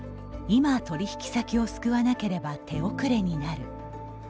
今、取引先を救わなければ手遅れになる。